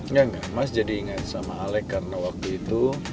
nggak nggak mas jadi inget sama alec karena waktu itu